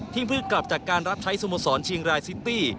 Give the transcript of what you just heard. ที่เพื่อกลับจากการรับใช้สมสรรชิงรายซิตี้